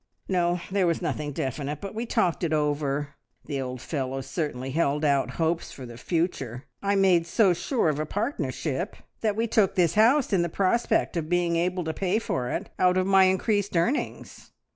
"No, there was nothing definite, but we talked it over. The old fellow certainly held out hopes for the future! I made so sure of a partnership that we took this house in the prospect of being able to pay for it out of my increased earnings.